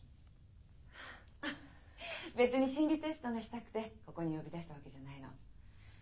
あっ別に心理テストがしたくてここに呼び出したわけじゃないの。